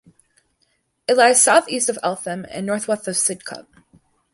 It lies south east of Eltham and north west of Sidcup.